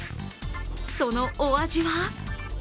そのお味は？